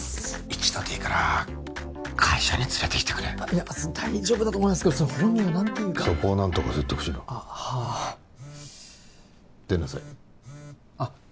一度でいいから会社に連れてきてくれ大丈夫だと思いますけど本人が何て言うかそこを何とか説得しろあっはあ出なさいあっ